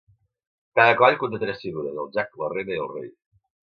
Cada coll conté tres figures, el jack, la reina i el rei.